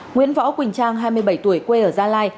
nguyễn võ quỳnh trang hai mươi bảy tuổi quê ở gia lai